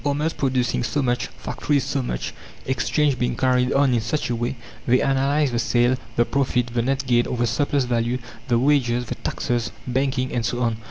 Farmers producing so much, factories so much, exchange being carried on in such a way, they analyze the sale, the profit, the net gain or the surplus value, the wages, the taxes, banking, and so on.